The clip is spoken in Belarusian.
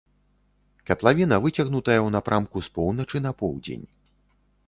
Катлавіна выцягнутая ў напрамку з поўначы на поўдзень.